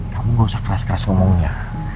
kamu gak usah keras keras ngomongnya